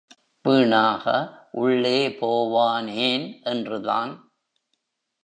வீணாக.உள்ளே போவானேன் என்றுதான்.